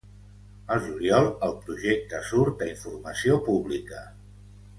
Al juliol el projecte surt a informació pública.